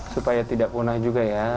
supaya tidak punah juga ya